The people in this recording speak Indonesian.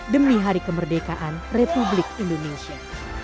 demi hari kemerdekaan republik indonesia